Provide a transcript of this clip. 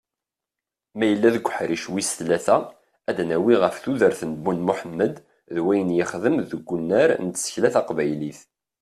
Ma yella deg uḥric wis tlata, ad d-nawwi ɣef tudert n Ben Muḥemmed d wayen yexdem deg wunar n tsekla taqbaylit.